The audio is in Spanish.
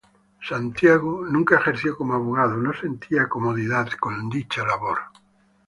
Santiago nunca ejerció como abogado, no sentía comodidad con dicha labor.